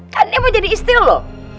kan dia mau jadi istirahat lo